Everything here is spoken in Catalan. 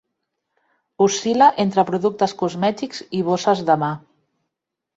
Oscil·la entre productes cosmètics i bosses de mà.